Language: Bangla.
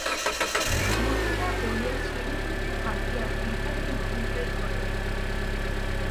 মহিনদা বলিয়া সিঁড়ি হইতে হাঁকিয়া বিহারী মহেন্দ্রের ঘরে গেল।